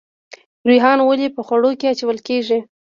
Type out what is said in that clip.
ریحان ولې په خوړو کې اچول کیږي؟